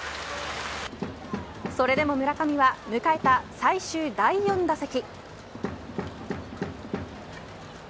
それでも村上は迎えた最終、第４打席。